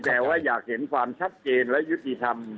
แต่ว่าอยากเห็นความชัดเจนและยุติธรรม